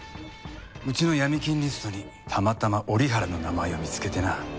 うちの闇金リストにたまたま折原の名前を見つけてな。